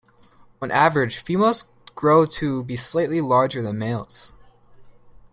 On average, females grow to be slightly larger than males.